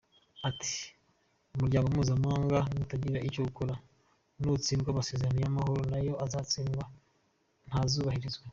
Ati “Umuryango mpuzamahanga nutagira icyo ukora, nutsindwa, amasezerano y’amahoro nayo azatsindwa, ntazubahirizwa.